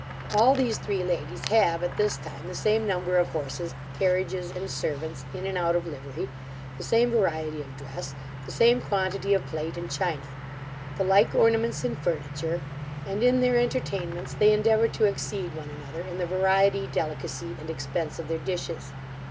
All these three ladies have at this time the same number of horses, carriages, and servants in and out of livery; the same variety of dress; the same quantity of plate and china; the like ornaments in furniture: and in their entertainments they endeavour to exceed one another in the variety, delicacy, and expence of their dishes.